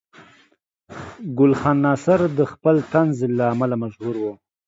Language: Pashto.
ګل خان ناصر د خپل طنز له امله مشهور و.